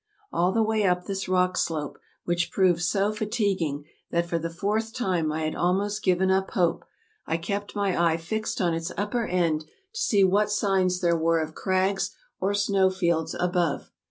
All the way up this rock slope, which proved so fatiguing that for the fourth time I had almost given up hope, I kept my eye fixed on its upper end to see what signs there were of crags or snow fields above.